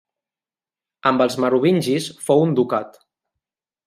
Amb els merovingis fou un ducat.